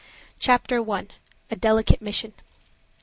CHAPTER I. A DELICATE MISSION.